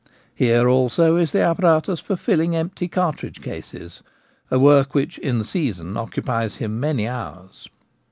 Here, also, is the apparatus for filling empty cartridge cases — a work which in the season occupies him many hours.